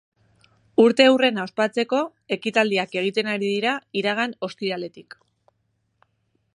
Urteurrena ospatzeko, ekitaldiak egiten ari dira iragan ostiraletik.